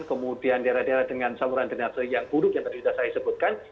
kemudian daerah daerah dengan saluran drenase yang buruk yang tadi sudah saya sebutkan